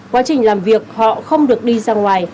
quá trình làm việc họ không được đi ra ngoài